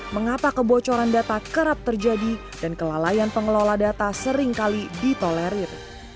mengapa kebocoran data kerap terjadi dan kelalaian pengelola data seringkali ditolerir